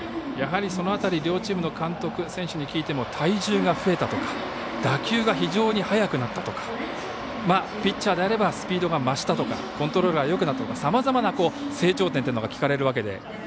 その辺り、両チームの監督選手に聞いても体重が増えたとか打球が非常に速くなったとかピッチャーであればスピードが増したとかコントロールがよくなったとかさまざまな成長点が聞かれるわけで。